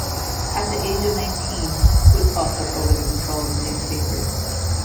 At the age of nineteen, Woodfall took over the control of the newspaper.